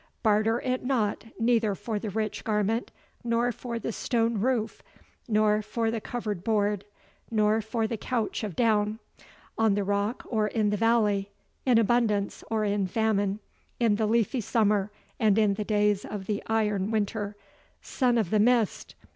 Barter it not neither for the rich garment, nor for the stone roof, nor for the covered board, nor for the couch of down on the rock or in the valley, in abundance or in famine in the leafy summer, and in the days of the iron winter Son of the Mist!